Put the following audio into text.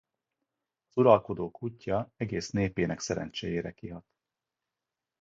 Az uralkodó kutja egész népének szerencséjére kihat.